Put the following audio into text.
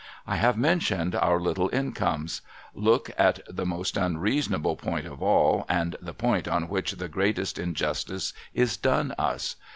1 have mentioned our litde incomes. Look at the most FICTITIOUS WEALTH 283 unreasonable point of all, and the point on which the greatest injustice is done us